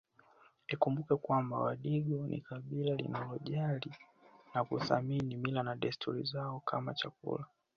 Ikumbukwe kwamba wadigo ni kabila linalojali na kuthamini mila na desturi zao kama chakula